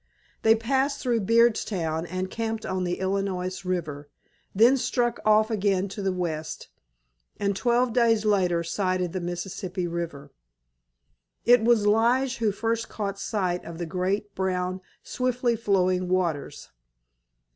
They passed through Beardstown and camped on the Illinois River, then struck off again to the west, and twelve days later sighted the Mississippi River. It was Lige who first caught sight of the great brown swiftly flowing waters.